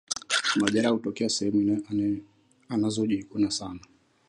Majeraha hutokea sehemu anazojikuna sana